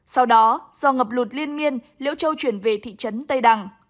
sau đó do ngập lụt liên nghiên liễu châu chuyển về thị trấn tây đằng